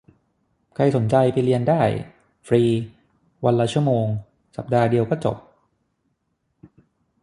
ใครสนใจไปเรียนได้ ฟรี วันละชั่วโมง สัปดาห์เดียวก็จบ